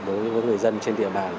đối với người dân trên địa bàn